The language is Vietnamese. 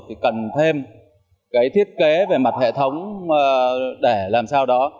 thì cần thêm cái thiết kế về mặt hệ thống để làm sao đó